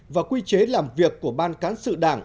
và quy chế làm việc của ban cán sự đảng